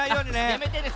やめてね